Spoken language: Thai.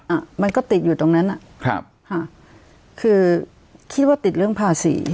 อ่ะมันก็ติดอยู่ตรงนั้นอ่ะครับค่ะคือคิดว่าติดเรื่องภาษี